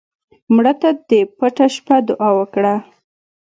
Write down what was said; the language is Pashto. مړه ته د پټه شپه دعا وکړه